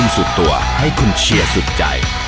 สุดตัวให้คุณเชียร์สุดใจ